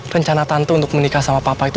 rencana tantu untuk menikah sama papa itu